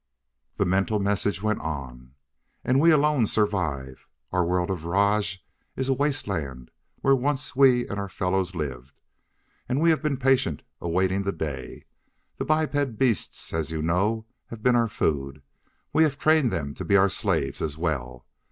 The mental message went on: "And we alone survive. Our world of Rajj is a wasteland where once we and our fellows lived. And we have been patient, awaiting the day. The biped beasts, as you know, have been our food; we have trained them to be our slaves as well.